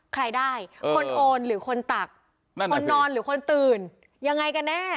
ใครได้คนโอนหรือคนตักคนนอนหรือคนตื่นยังไงกันแน่